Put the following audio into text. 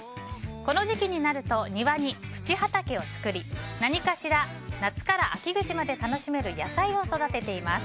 この時期になると庭にプチ畑を作り何かしら夏から秋口まで楽しめる野菜を育てています。